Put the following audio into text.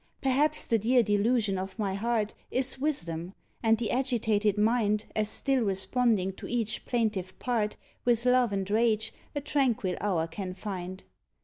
Perhaps the dear delusion of my heart Is wisdom; and the agitated mind, As still responding to each plaintive part, With love and rage, a tranquil hour can find.